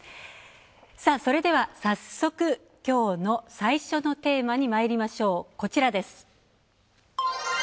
それでは、早速、きょうの最初のテーマにまいりましょう。